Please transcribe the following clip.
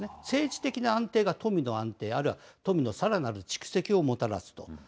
政治的な安定が富の安定、あるいは富のさらなる蓄積をもたらすと。